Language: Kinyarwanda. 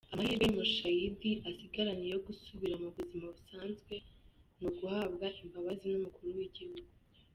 Amahirwe Mushayidi asigaranye yo gusubira mubuzima busanzwe, n’uguhabwa imbabazi n’umukuru w’igihugu.